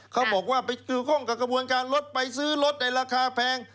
เขาบอกว่าไปเกี่ยวข้องกับกระบวนการรถไปซื้อรถในราคาแพง